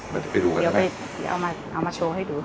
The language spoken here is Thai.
เดี๋ยวไปดูเอามาโชว์ให้ดู